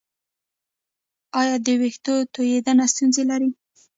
ایا د ویښتو تویدو ستونزه لرئ؟